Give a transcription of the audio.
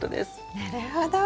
なるほど。